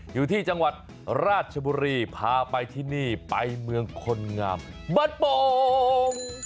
อยู่ที่จังหวัดราชบุรีพาไปที่นี่ไปเมืองคนงามบ้านโป่ง